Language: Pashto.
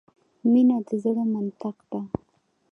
مینه د زړه منطق ده .